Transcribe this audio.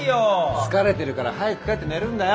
疲れてるから早く帰って寝るんだよ。